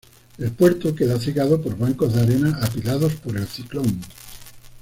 El puerto quedó cegado por bancos de arena apilados por el ciclón.